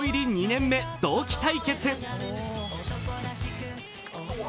２年目、同期対決。